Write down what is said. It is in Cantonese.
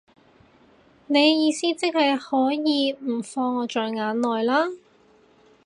你意思即係可以唔放我在眼內啦